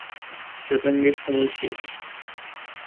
শ্বেতাঙ্গের সময় শেষ।